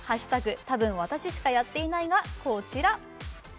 多分私しかやってない」がこちら。